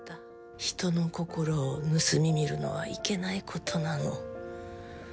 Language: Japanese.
人の心を盗み見るのはいけないことなの。